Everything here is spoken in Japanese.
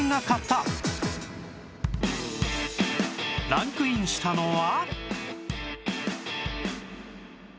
ランクインしたのは